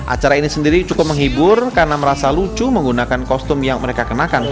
acara ini sendiri cukup menghibur karena merasa lucu menggunakan kostum yang mereka kenakan